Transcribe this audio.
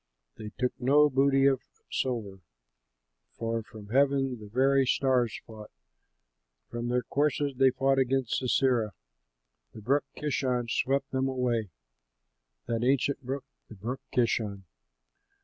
"They took no booty of silver, For from heaven the very stars fought, From their courses they fought against Sisera. The brook Kishon swept them away, That ancient brook, the brook Kishon.